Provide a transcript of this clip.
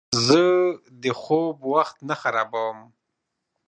زه د خوب وخت نه خرابوم.